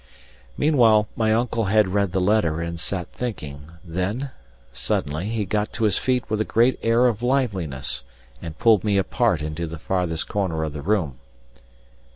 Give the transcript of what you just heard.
Meanwhile, my uncle had read the letter and sat thinking; then, suddenly, he got to his feet with a great air of liveliness, and pulled me apart into the farthest corner of the room.